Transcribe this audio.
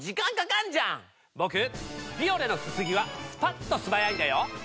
ボクビオレのすすぎはスパっと素早いんだよ！